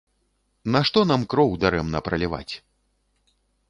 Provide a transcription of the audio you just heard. Нашто нам кроў дарэмна праліваць?